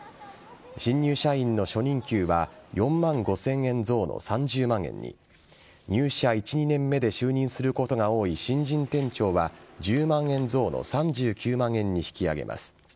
新入社員の初任給は４万５０００円増の３０万円に入社１２年目で就任することが多い新人店長は１０万円増の３９万円に引き上げます。